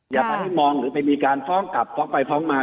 อย่าไปให้มองหรือไปมีการฟ้องกลับฟ้องไปฟ้องมา